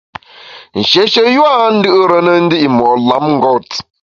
Nshéshe yua a ndù’re ne ndi’ mo’ lamngôt.